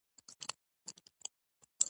لرغونپېژندنې مدرکونه راسره مرسته کوي.